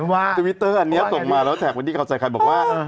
ว่าทวิตเตอร์อันนี้ตกมาแล้วแตกวันนี้เค้าใจค่ะบอกว่า